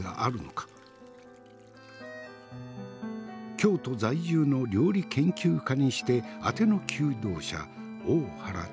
京都在住の料理研究家にしてあての求道者大原千鶴。